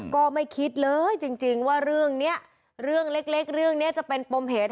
ก็ไม่คิดเลยจริงว่าเรื่องนี้เรื่องเล็กเรื่องนี้จะเป็นปมเหตุ